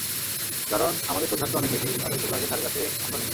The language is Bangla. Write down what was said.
কারণ আমাদের সুদহার তো অনেক বেশি, তাদের সুদহারের ধারে-কাছেই আমরা নেই।